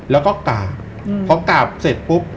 แล้วก็กาบเพราะกาบเสร็จปุ๊บ